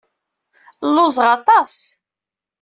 Lluẓeɣ aṭas.